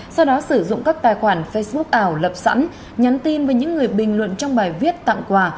sau đó sử dụng các tài khoản facebook ảo lập sẵn nhắn tin với những người bình luận trong bài viết tặng quà